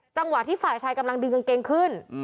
จังหวะที่ฝ่ายชายกำลังดึงกางเกงขึ้น